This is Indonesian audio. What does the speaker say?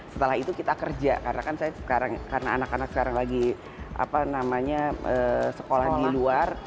setelah itu kita kerja karena kan saya sekarang karena anak anak sekarang lagi sekolah di luar